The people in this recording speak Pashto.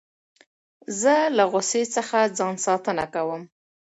زه له غوسې څخه ځان ساتنه کوم.